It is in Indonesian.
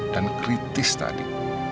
dan kritis tadi